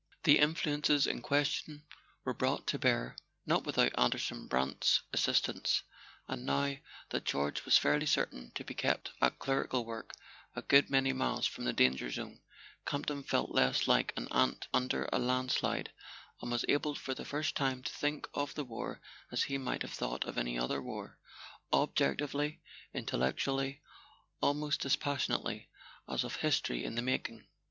The "influences" in question were brought to bear —not without Anderson Brant's assistance—and now that George was fairly certain to be kept at clerical work a good many miles from the danger zone Camp ton felt less like an ant under a landslide, and was able for the first time to think of the war as he might have thought of any other war: objectively, intellectually, almost dispassionately, as of history in the making.